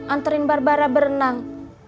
anterin barbara berenang